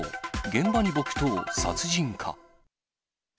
現場に木刀、殺人か。